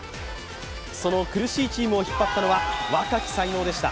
その苦しいチームを引っ張ったのは、若き才能でした。